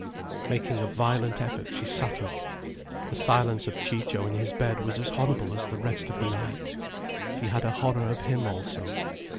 Making a violent effort she sat up. The silence of Ciccio in his bed was as horrible as the rest of the night. She had a horror of him also.